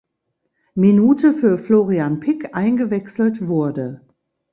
Minute für Florian Pick eingewechselt wurde.